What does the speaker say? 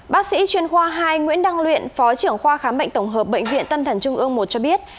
bác sĩ chuyên khoa hai nguyễn đăng luyện phó trưởng khoa khám bệnh tổng hợp bệnh viện tâm thần trung ương một cho biết